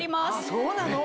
そうなの？